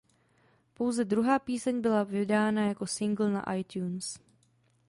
Pouze druhá píseň byla vydána jako singl na iTunes.